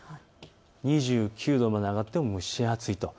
２９度まで上がって蒸し暑いと。